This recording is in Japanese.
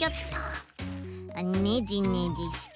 ねじねじして。